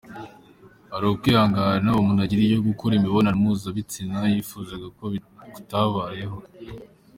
Hari ukwihangana umuntu agira iyo gukora imibonano mpuzabitsina yifuzaga kutabayeho.